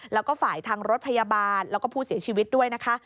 และฝ่ายทางรถพยาบาลและผู้เสียชีวิตด้วย